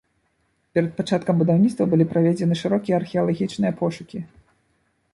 Перад пачаткам будаўніцтва былі праведзены шырокія археалагічныя пошукі.